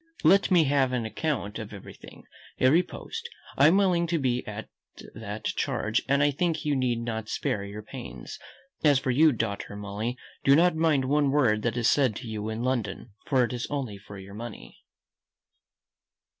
Let me have an account of everything, every post; I am willing to be at that charge, and I think you need not spare your pains. As for you, daughter Molly, do not mind one word that is said to you in London, for it is only for your money."